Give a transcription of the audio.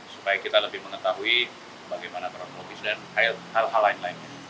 supaya kita lebih mengetahui bagaimana kronologis dan hal hal lain lainnya